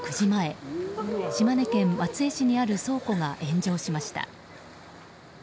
前島根県松江市にある倉庫が炎上しました。